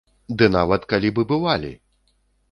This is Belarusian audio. Ды нават калі б і бывалі!